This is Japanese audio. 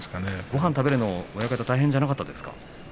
ごはんを食べるのは親方大変じゃなかったですか？